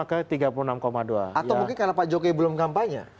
atau mungkin karena pak jokowi belum kampanye